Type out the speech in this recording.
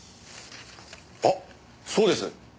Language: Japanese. あっそうです。